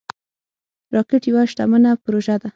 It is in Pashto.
راکټ یوه شتمنه پروژه ده